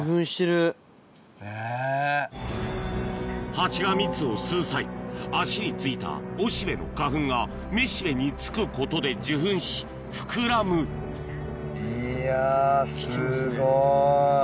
ハチが蜜を吸う際足に付いたおしべの花粉がめしべに付くことで受粉し膨らむいや。